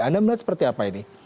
anda melihat seperti apa ini